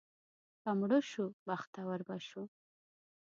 که مړه شو، بختور به شو.